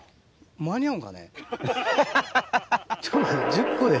１０個で。